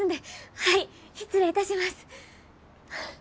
はい失礼いたします。